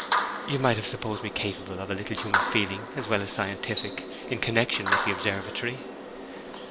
'You might have supposed me capable of a little human feeling as well as scientific, in connection with the observatory.'